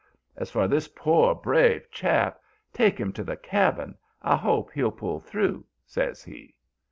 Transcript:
As for this poor, brave chap, take him to the cabin. I hope he'll pull through,' says he.